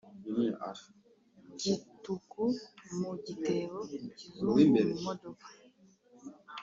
gituku mu gitebo-ikizungu mu modoka.